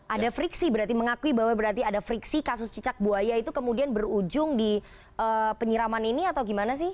ada friksi berarti mengakui bahwa berarti ada friksi kasus cicak buaya itu kemudian berujung di penyiraman ini atau gimana sih